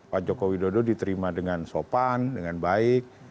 pak joko widodo diterima dengan sopan dengan baik